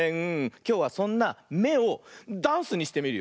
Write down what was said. きょうはそんな「め」をダンスにしてみるよ。